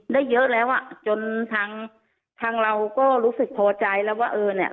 ได้เยอะแล้วอ่ะจนทางทางเราก็รู้สึกพอใจแล้วว่าเออเนี่ย